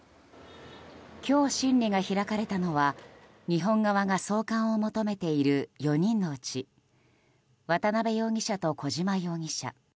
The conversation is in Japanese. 今日審理が開かれたのは日本側が送還を求めている４人のうち渡邉容疑者と小島容疑者。